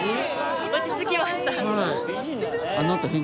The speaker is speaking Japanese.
落ち着きました。